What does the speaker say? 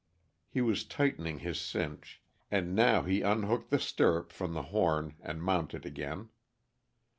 He was tightening his cinch, and now he unhooked the stirrup from the horn and mounted again.